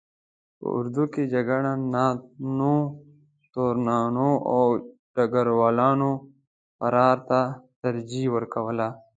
په اردو کې جګړه نانو، تورنانو او ډګر والانو فرار ته ترجیح ورکوله.